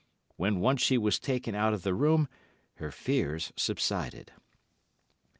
When once she was taken out of the room her fears subsided.